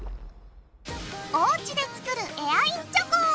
おうちで作るエアインチョコ！